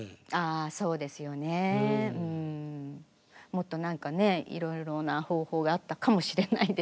もっと何かねいろいろな方法があったかもしれないですよね。